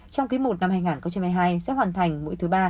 trong ký một năm hai nghìn một mươi hai sẽ hoàn thành mũi thứ ba